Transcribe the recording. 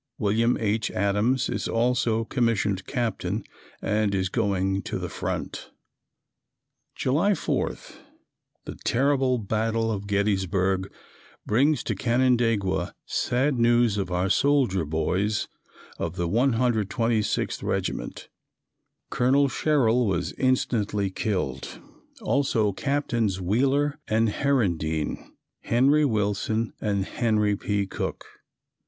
William H. Adams is also commissioned Captain and is going to the front. July 4. The terrible battle of Gettysburg brings to Canandaigua sad news of our soldier boys of the 126th Regiment. Colonel Sherrill was instantly killed, also Captains Wheeler and Herendeen, Henry Willson and Henry P. Cook.